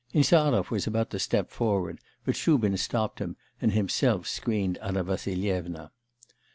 Insarov was about to step forward, but Shubin stopped him, and himself screened Anna Vassilyevna.